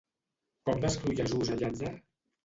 Com descriu Jesús a Llàtzer?